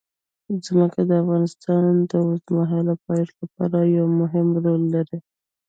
ځمکه د افغانستان د اوږدمهاله پایښت لپاره یو مهم رول لري.